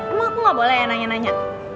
emang aku gak boleh ya nanya nanya